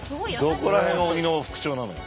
どこら辺が鬼の副長なのよ。